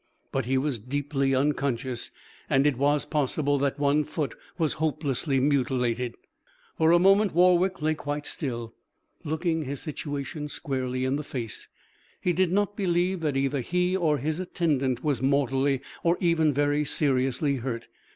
But he was deeply unconscious, and it was possible that one foot was hopelessly mutilated. For a moment Warwick lay quite still, looking his situation squarely in the face. He did not believe that either he or his attendant was mortally or even very seriously hurt.